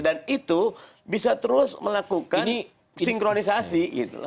dan itu bisa terus melakukan sinkronisasi gitu